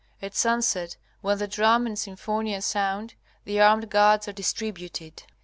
At sunset, when the drum and symphonia sound, the armed guards are distributed.